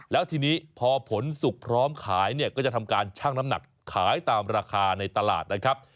แล้วทีนี้พอผลสุกพร้อมขายเนี่ยก็จะทำการชั่งน้ำหนักขายตามราคาในตลาดนะครับ